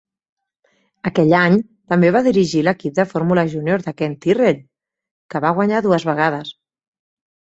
Aquell any, també va dirigir l'equip de Fórmula Junior de Ken Tyrrell, que va guanyar dues vegades.